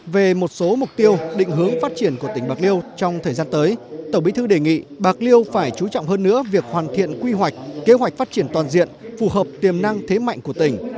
về một số mục tiêu định hướng phát triển của tỉnh bạc liêu trong thời gian tới tổng bí thư đề nghị bạc liêu phải chú trọng hơn nữa việc hoàn thiện quy hoạch kế hoạch phát triển toàn diện phù hợp tiềm năng thế mạnh của tỉnh